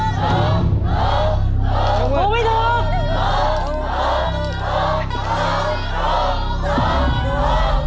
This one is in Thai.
ถูกถูกถูก